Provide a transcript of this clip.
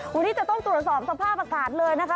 วันนี้จะต้องตรวจสอบสภาพอากาศเลยนะคะ